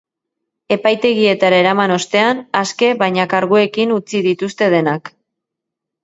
Epaitegietara eraman ostean, aske baina karguekin utzi dituzte denak.